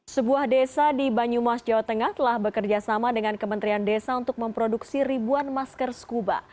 sebuah desa di banyumas jawa tengah telah bekerjasama dengan kementerian desa untuk memproduksi ribuan masker scuba